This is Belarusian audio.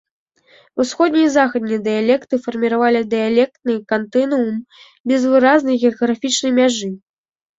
Усходні і заходні дыялекты фарміравалі дыялектны кантынуум без выразнай геаграфічнай мяжы.